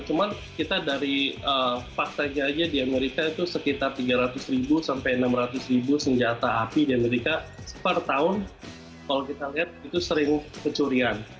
cuman kita dari faktanya aja di amerika itu sekitar tiga ratus ribu sampai enam ratus ribu senjata api di amerika per tahun kalau kita lihat itu sering kecurian